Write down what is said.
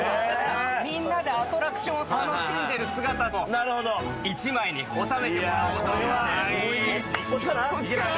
みんなでアトラクションを楽しんでる姿を一枚に収めてもらおうと思って。